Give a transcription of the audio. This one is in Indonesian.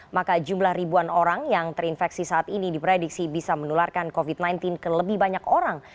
maka jumlah ribuan orang yang terinfeksi saat ini diprediksi bisa menularkan covid sembilan belas ke lebih banyak orang